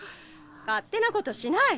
勝手なことしない。